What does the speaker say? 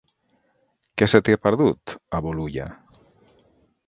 Què se t'hi ha perdut, a Bolulla?